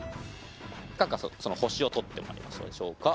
閣下その星を取ってもらえますでしょうか。